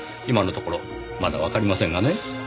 今のところまだわかりませんがね。